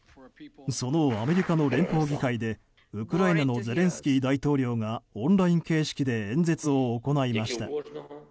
そのアメリカの連邦議会でウクライナのゼレンスキー大統領がオンライン形式で演説を行いました。